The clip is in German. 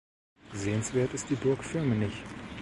Sehenswert ist die Burg Firmenich.